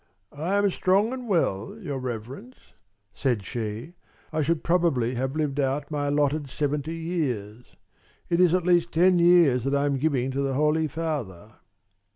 "I am strong and well, your Reverence," said she. "I should probably have lived out my allotted seventy years. It is at least ten years that I am giving to the Holy Father."